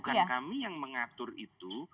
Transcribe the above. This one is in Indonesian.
bukan kami yang mengatur itu